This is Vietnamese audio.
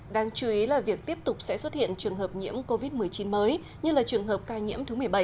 đáng chú ý là việc tiếp tục sẽ xuất hiện trường hợp nhiễm covid một mươi chín mới như là trường hợp ca nhiễm thứ một mươi bảy